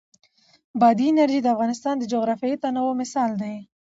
بادي انرژي د افغانستان د جغرافیوي تنوع مثال دی.